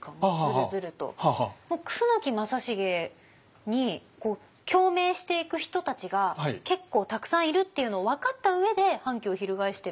楠木正成に共鳴していく人たちが結構たくさんいるっていうのを分かった上で反旗を翻してるのか。